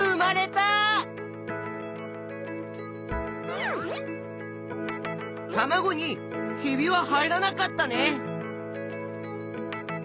たまごに「ひび」は入らなかったね。